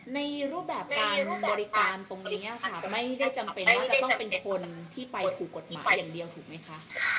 ในรูปแบบการบริการตรงนี้ค่ะไม่ได้จำเป็นว่าจะต้องเป็นคนที่ไปถูกกฎหมายอย่างเดียวถูกไหมคะ